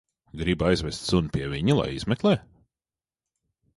Gribi aizvest suni pie viņa, lai izmeklē?